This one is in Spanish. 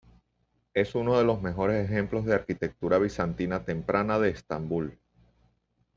Es uno de los mejores ejemplos de arquitectura bizantina temprana de Estambul.